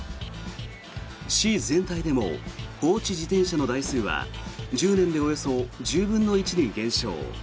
市全体でも放置自転車の台数は１０年でおよそ１０分の１に減少。